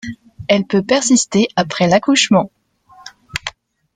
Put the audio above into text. Elle peut persister après l'accouchement.